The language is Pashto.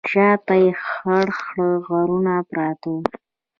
شا ته یې خړ خړ غرونه پراته وو.